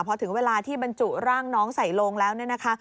พอถึงเวลาที่บรรจุร่างน้องใส่ลงแล้วเนี่ยนะคะ